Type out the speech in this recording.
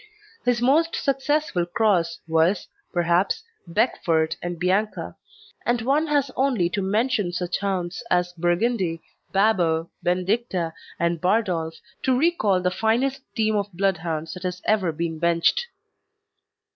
His most successful cross was, perhaps, Beckford and Bianca, and one has only to mention such hounds as Burgundy, Babbo, Benedicta, and Bardolph to recall the finest team of Bloodhounds that has ever been benched.